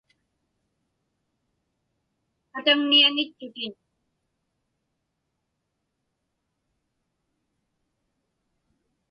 Kataŋniaŋitchutin.